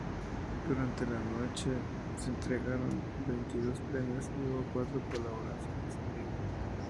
Durante la noche se entregaron veintidós premios y hubo cuatro colaboraciones en vivo.